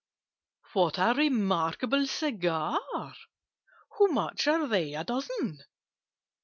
"What a re markable cigar! How much are they a dozen?"